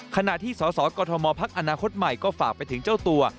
ขณะที่สสกมพักอนาคตใหม่ก็ฝากไปถึงเจ้าตัว